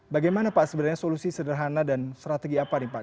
bagaimana pak sebenarnya solusi sederhana dan strategi apa nih pak